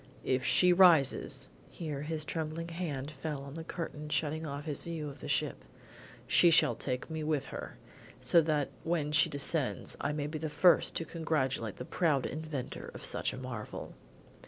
If she rises " here his trembling hand fell on the curtain shutting off his view of the ship, "she shall take me with her, so that when she descends I may be the first to congratulate the proud inventor of such a marvel."